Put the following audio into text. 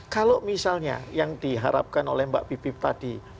kalau misalnya yang diharapkan oleh mbak bipip tadi